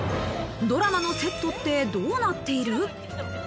ドラマのセットって、どうなっている？